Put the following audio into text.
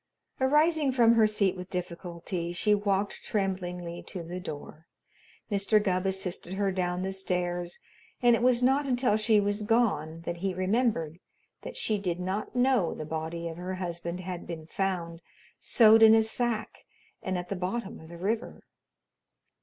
Arising from her seat with difficulty, she walked tremblingly to the door. Mr. Gubb assisted her down the stairs, and it was not until she was gone that he remembered that she did not know the body of her husband had been found sewed in a sack and at the bottom of the river.